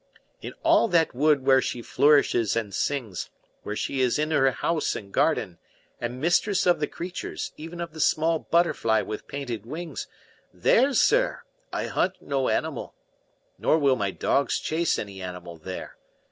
In all that wood where she flourishes and sings, where she is in her house and garden, and mistress of the creatures, even of the small butterfly with painted wings, there, sir, I hunt no animal. Nor will my dogs chase any animal there.